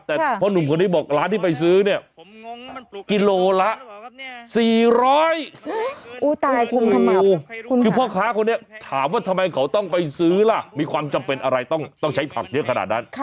แต่พ่อหนุ่มคนนี้บอกร้านที่ไปซื้อเนี่ยกิโลละ๔๐๐อุ้ยตายคุมทำไมคือพ่อค้าคนนี้ถามว่าทำไมเขาต้องไปซื้อล่ะมีความจำเป็นอะไรต้องใช้ผักเยอะขนาดนั้น